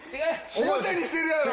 おもちゃにしてるやろ！